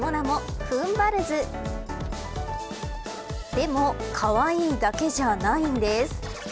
でもかわいいだけじゃないんです。